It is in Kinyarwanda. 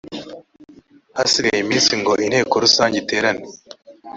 hasigaye iminsi ngo inteko rusange iterane